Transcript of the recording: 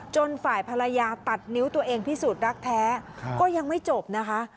ฝ่ายภรรยาตัดนิ้วตัวเองพิสูจน์รักแท้ก็ยังไม่จบนะคะ